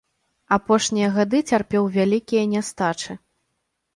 Апошнія гады цярпеў вялікія нястачы.